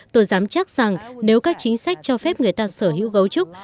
tôi dám chắc rằng nếu các chính sách cho phép người ta sở hữu gấu trúc